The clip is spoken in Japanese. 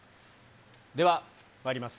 ではまいります。